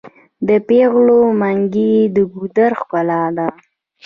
د پیغلو منګي د ګودر ښکلا ده.